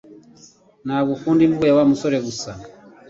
Ntabwo ukunda imvugo ya Wa musore gusa